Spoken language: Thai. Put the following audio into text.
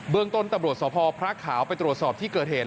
เบื้องต้นตบรวจสภพพระขาวไปตรวจสอบที่เกิดเห็น